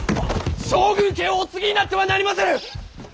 将軍家をお継ぎになってはなりませぬ！